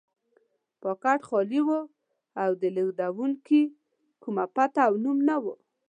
پاکټ خالي و او د لېږونکي کومه پته او نوم نه و.